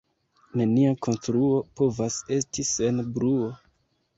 Nenia konstruo povas esti sen bruo.